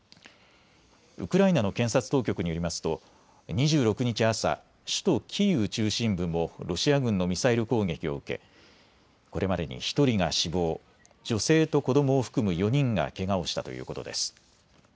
ウクライナの検察当局によりますと２６日朝、首都キーウ中心部もロシア軍のミサイル攻撃を受けこれまでに１人が死亡、女性と子どもを含む４人がけがをしたということです。